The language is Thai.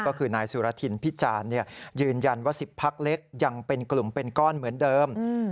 ก็คือนายสุรทินพิจารณ์ยืนยันว่า๑๐พักเล็กยังเป็นกลุ่มเป็นก้อนเหมือนเดิม